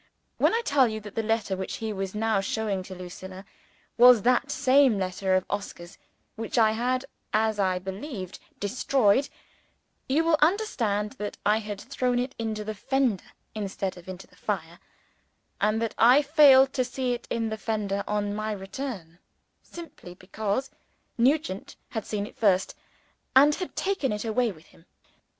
When I tell you that the letter which he was now showing to Lucilla, was that same letter of Oscar's, which I had (as I believed) destroyed, you will understand that I had thrown it into the fender instead of into the fire; and that I failed to see it in the fender on my return, simply because Nugent had seen it first, and had taken it away with him.